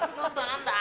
何だ？